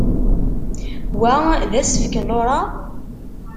Wa d asefk n Laura?